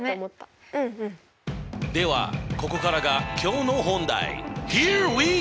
ではここからが今日の本題。